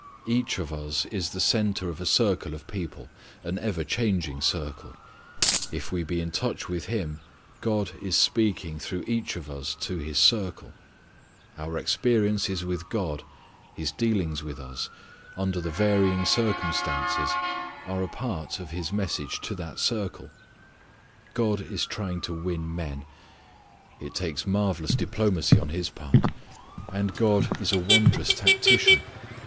Each of us is the centre of a circle of people, an ever changing circle. If we be in touch with Him God is speaking through each of us to his circle. Our experiences with God: His dealings with us, under the varying circumstances are a part of His message to that circle. God is trying to win men. It takes marvellous diplomacy on His part. And God is a wondrous tactician.